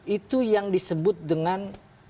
itu yang disebut dengan